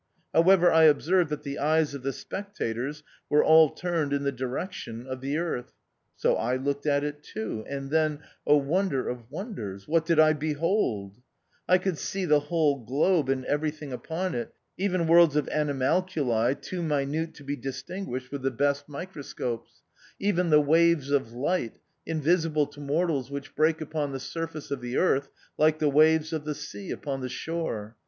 However, I observed that the eyes of the spectators were all turned in the direction of the Earth ; so I looked at it too ; and then, Oh wonder of wonders ! what did I behold ! I could see the whole globe, and every thing upon it, even worlds of animalcules too minute to be distinguished with the best THE OUTCAST. 25 microscopes ; even the waves of light, in visible to mortals which break upon the surface of the Earth like the waves of the sea upon the shore.